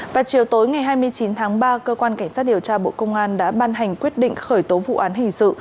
và chiều tối ngày hai mươi chín tháng ba cơ quan cảnh sát điều tra bộ công an đã ban hành quyết định khởi tố vụ án hình sự